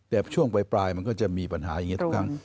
แต่ช่วงปลายมันก็จะมีปัญหาอย่างนี้ทุกครั้ง